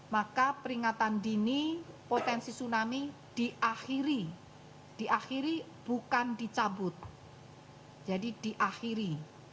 maka peringatan dini potensi tsunami diakhiri diakhiri bukan dicabut jadi diakhiri